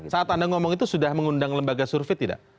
saat anda ngomong itu sudah mengundang lembaga survei tidak